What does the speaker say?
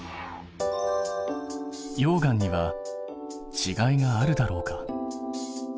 溶岩にはちがいがあるだろうか？